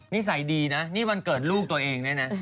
นิสัยดีนะนี่วันเกิดลูกตัวเองด้วยนะ